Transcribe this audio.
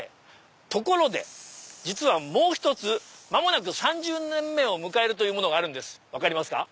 ところで実はもう一つ間もなく３０年目を迎えるものがあるんです分かりますか？